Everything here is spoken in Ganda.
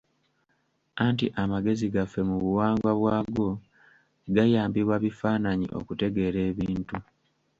Anti amagezi gaffe mu buwangwa bwago gayambibwa bifaananyi okutegeera ebintu.